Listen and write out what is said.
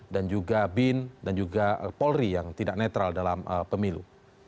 dan juga bin dan juga polri yang tidak netral dalam pemilu